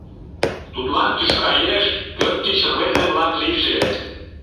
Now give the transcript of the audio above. Тудлан тӱшка еш, пӧрт тич рвезе-влак лийже.